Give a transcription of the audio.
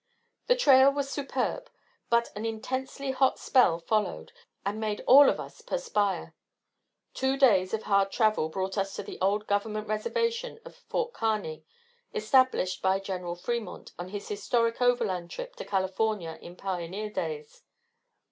The trail was superb. But an intensely hot spell followed, and made all of us perspire. Two days of hard travel brought us to the old Government Reservation of Ft. Kearney, established by Gen. Fremont on his historic overland trip to California in pioneer days.